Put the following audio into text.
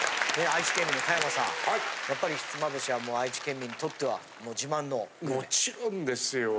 愛知県民の田山さん、やっぱりひつまぶしは愛知県民にとってもちろんですよ。